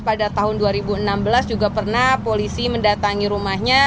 pada tahun dua ribu enam belas juga pernah polisi mendatangi rumahnya